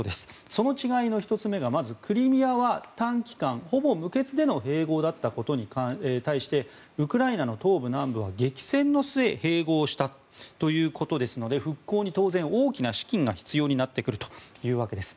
その違いの１つ目がまずクリミアは短期間ほぼ無血での併合だったことに対してウクライナの東部・南部は激戦の末併合したということですので復興に当然大きな資金が必要になってくるわけです。